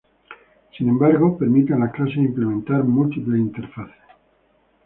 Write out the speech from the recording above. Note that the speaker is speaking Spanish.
Sin embargo, permiten a las clases implementar múltiples interfaces.